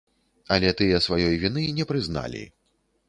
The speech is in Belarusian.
Але тыя сваёй віны не прызналі.